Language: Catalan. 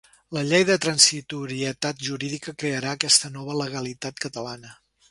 La llei de transitorietat jurídica crearà aquesta nova legalitat catalana.